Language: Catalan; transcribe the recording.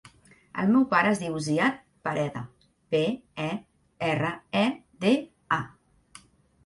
El meu pare es diu Ziad Pereda: pe, e, erra, e, de, a.